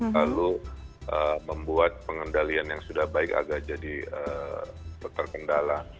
lalu membuat pengendalian yang sudah baik agak jadi terkendala